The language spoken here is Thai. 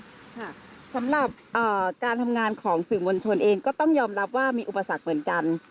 สำหรับการทำงานของสื่อมวลชนเองก็ต้องยอมรับว่ามีอุปสรรคเหมือนกัน